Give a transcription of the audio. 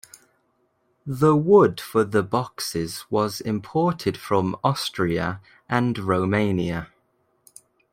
The wood for the boxes was imported from Austria and Romania.